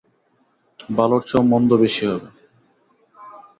ভালোর চেয়ে মন্দ হবে বেশি।